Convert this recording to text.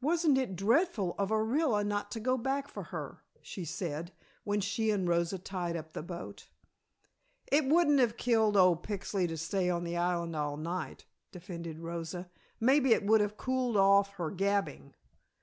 "Wasn't it dreadful of Orilla not to go back for her?" she said, when she and Rosa tied up the boat. "It wouldn't have killed old Pixley to stay on the island all night," defended Rosa. "Maybe it would have cooled off her gabbing."